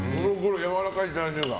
やわらかい、チャーシューが。